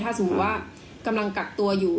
ถ้าสมมุติว่ากำลังกักตัวอยู่